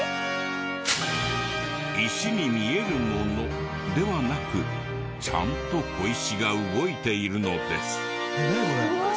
石に見えるものではなくちゃんと小石が動いているのです。